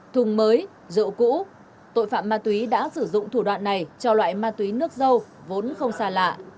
thùng mới rộ cũ tội phạm ma túy đã sử dụng thủ đoạn này cho loại ma túy nước dâu vốn không xa lạ